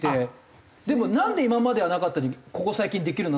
でもなんで今まではなかったのにここ最近できるように。